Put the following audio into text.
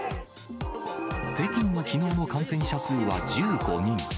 北京のきのうの感染者数は１５人。